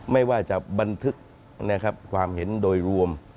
ไม่ว่าจะบันทึกความเห็นโดยรวม